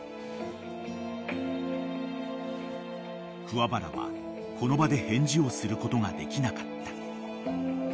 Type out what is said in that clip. ［桑原はこの場で返事をすることができなかった］